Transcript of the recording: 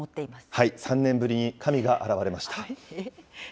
３年ぶりに神が現れました。